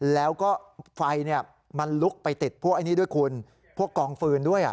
แล้วก็ไฟมันลุกไปติดพวกอันนี้ด้วยคุณพวกกองฟืนด้วย